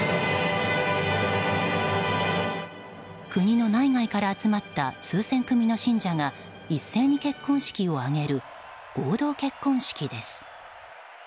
国の内外から集まった数千組の信者が一斉に結婚式を挙げる合同結婚式です。